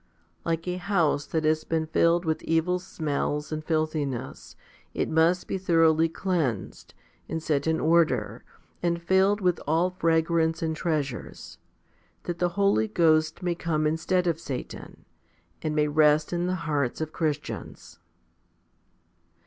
Like a house that has been filled with evil 1 Matt. vi. si. HOMILY XXVII 2ii smells and filthiness, it must be thoroughly cleansed, and set in order, and filled with all fragrance and treasures, that the Holy Ghost may come instead of Satan, and may rest in the hearts of Christians.